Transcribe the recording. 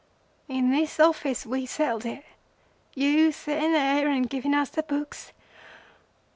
In this office we settled it—you setting there and giving us the books.